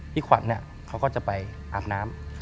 ขวัญเขาก็จะไปอาบน้ำ